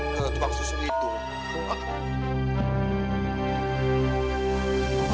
kalian berdua bener bener keterlaluan ya